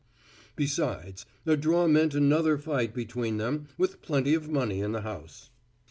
Besides, a draw meant another fight between them with plenty of money in the house.